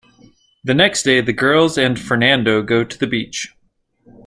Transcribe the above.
The next day, the girls and Fernando go to the beach.